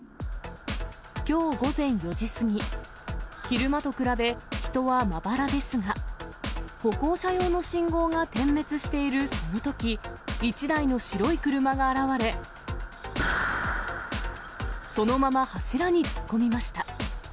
きょう午前４時過ぎ、昼間と比べ人はまばらですが、歩行者用の信号が点滅しているそのとき、一台の白い車が現れ、そのまま柱に突っ込みました。